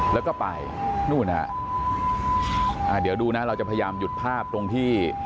แล้วก็ไปนู่นฮะอ่าเดี๋ยวดูนะเราจะพยายามหยุดภาพตรงที่